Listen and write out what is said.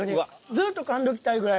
ずっとかんでおきたいぐらい。